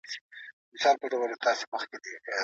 په پخواني وخت کي ژوند ډېر سخت وو.